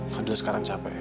fadil sekarang capek